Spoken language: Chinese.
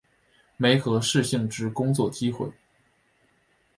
媒合适性之工作机会